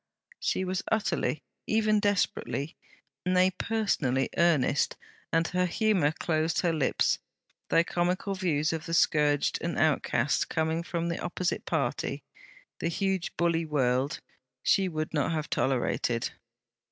She was utterly, even desperately, nay personally, earnest, and her humour closed her lips; though comical views of the scourged and outcast coming from the opposite party the huge bully world she would not have tolerated.